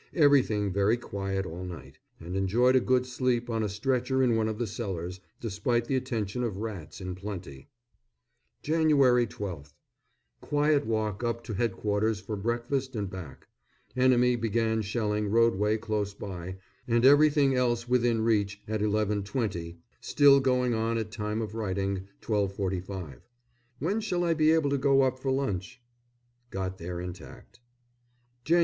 Everything very quiet all night, and enjoyed a good sleep on a stretcher in one of the cellars, despite the attentions of rats in plenty. Jan. 12th. Quiet walk up to Headquarters for breakfast and back. Enemy began shelling roadway close by, and everything else within reach, at 11.20; still going on at time of writing, 12.45. When shall I be able to go up for lunch? Got there intact. _Jan. 13th.